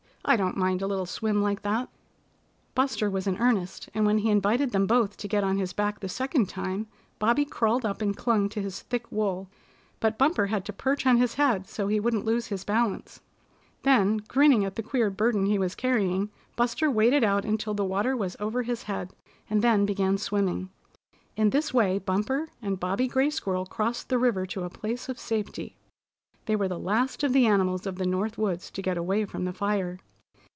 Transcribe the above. I don't mind a little swim like that." [Illustration: IN THIS WAY BUMPER AND BOBBY CROSSED THE RIVER] Buster was in earnest and when he invited them both to get on his back the second time, Bobby crawled up and clung to his thick wool, but Bumper had to perch on his head so he wouldn't lose his balance. Then, grinning at the queer burden he was carrying, Buster waded out until the water was over his head, and then began swimming. In this way Bumper and Bobby Gray Squirrel crossed the river to a place of safety. They were the last of the animals of the North Woods to get away from the fire.